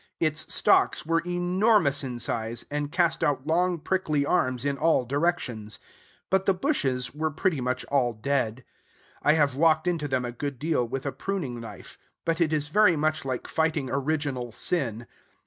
Its stalks were enormous in size, and cast out long, prickly arms in all directions; but the bushes were pretty much all dead. I have walked into them a good deal with a pruning knife; but it is very much like fighting original sin.